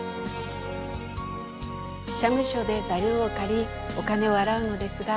社務所でざるを借りお金を洗うのですが。